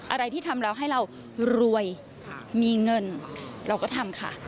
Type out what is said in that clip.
อะไรที่ทำแล้วให้เรารวยมีเงินเราก็ทำค่ะ